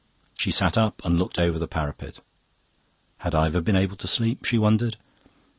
She sat up and looked over the parapet. Had Ivor been able to sleep? she wondered.